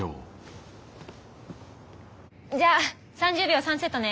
じゃあ３０秒３セットね。